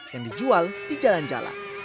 yang dijual di jalan jalan